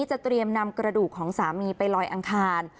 จะเตรียมนำกระดูกของสามีไปลอยอังคาร